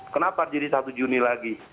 kenapa jadi satu juni lagi